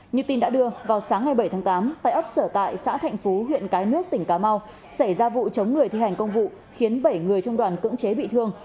như tin đã đưa vào sáng ngày bảy tháng tám tại ấp sở tại xã thạnh phú huyện cái nước tỉnh cà mau xảy ra vụ chống người thi hành công vụ khiến bảy người trong đoàn cưỡng chế bị thương